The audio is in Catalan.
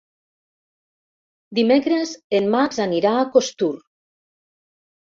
Dimecres en Max anirà a Costur.